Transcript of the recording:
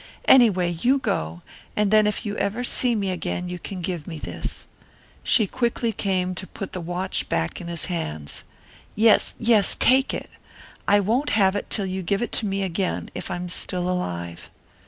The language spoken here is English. Anyway, you go, and then if you ever see me again you can give me this " She quickly came to put the watch back in his hands. "Yes, yes, take it. I won't have it till you give it to me again, if I'm still alive."